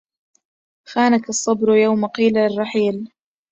خانك الصبر يوم قيل الرحيل